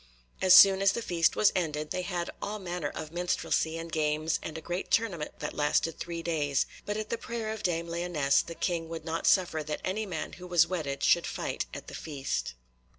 As soon as the feast was ended, they had all manner of minstrelsy and games and a great tournament that lasted three days, but at the prayer of dame Lyonesse the King would not suffer that any man who was wedded should fight at that feast.